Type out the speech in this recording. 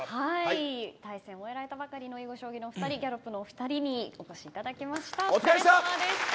対戦を終えられたばかりの囲碁将棋のお２人ギャロップのお二人にお越しいただきました。